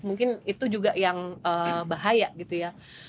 mungkin itu juga yang bahaya gitu ya